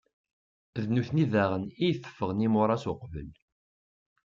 D nutni daɣen i iteffɣen imuṛaṣ uqbel.